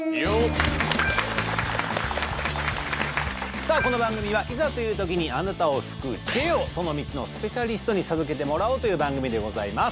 さあこの番組はいざというときにあなたを救う知恵をその道のスペシャリストに授けてもらおうという番組でございます